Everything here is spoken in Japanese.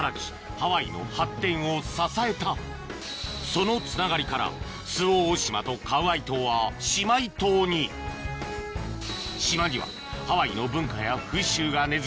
ハワイの発展を支えたそのつながりから周防大島とカウアイ島は姉妹島に島にはハワイの文化や風習が根付き